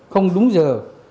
không đúng giờ